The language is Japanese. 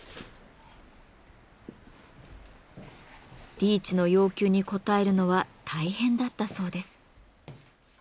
リーチの要求に応えるのは大変だったそうです。